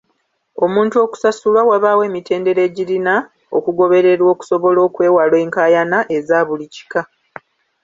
Omuntu okusasulwa wabaawo emitendera egirina okugobererwa okusobola okwewala enkayana ezaabuli kika.